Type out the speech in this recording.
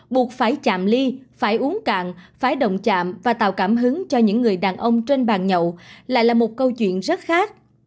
buộc phải chạm ly phải uống cạn phải đồng chạm và tạo cảm hứng cho những người đàn ông trên bàn nhậu lại là một câu chuyện rất khác